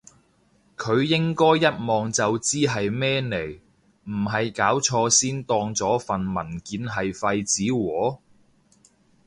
佢應該一望就知係咩嚟，唔係搞錯先當咗份文件係廢紙喎？